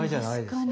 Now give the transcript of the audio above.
確かに。